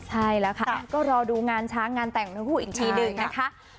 ใช่แล้วค่ะก็รอดูงานช้างงานแต่งทั้งคู่อีกทีหนึ่งนะคะ